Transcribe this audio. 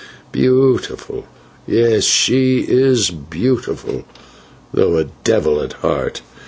Beautiful! yes, she is beautiful, though a devil at heart.